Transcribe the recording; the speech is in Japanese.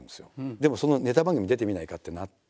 でもそのネタ番組に出てみないかってなって。